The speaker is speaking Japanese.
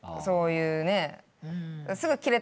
そういうね。